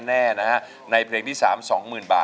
นี่พร้อมอินโทรเพลงที่สี่มาเลยครับ